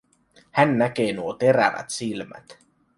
Hän näkee nuo terävät silmät.